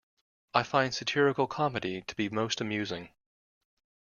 I find satirical comedy to be the most amusing.